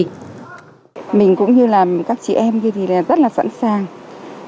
cũng như là các chị em kia thì rất là sẵn sàng